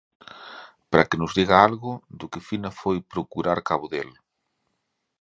Para que nos diga algo do que Fina foi procurar cabo del...